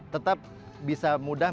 tetap bisa mudah